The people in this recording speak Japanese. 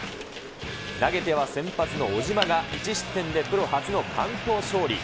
投げては先発の小島が１失点でプロ初の完投勝利。